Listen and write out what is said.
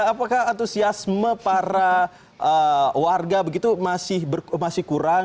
apakah antusiasme para warga begitu masih kurang